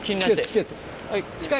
チケット。